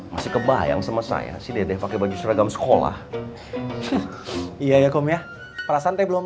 masih kebayang sama saya sih dede pakai baju seragam sekolah iya ya kum ya prasante belum